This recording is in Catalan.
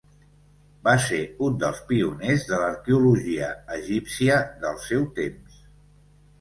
Va ser un dels pioners de l'arqueologia egípcia del seu temps.